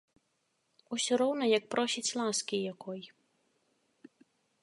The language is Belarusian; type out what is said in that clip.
Усё роўна як просіць ласкі якой.